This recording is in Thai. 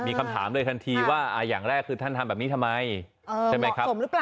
มีคำถามเลยทันทีว่าอย่างแรกคือท่านทำแบบนี้ทำไมใช่ไหมครับผมหรือเปล่า